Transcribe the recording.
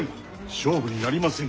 勝負になりませぬ。